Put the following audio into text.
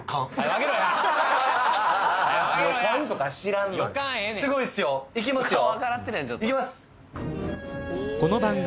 上げろやすごいっすよいきますよ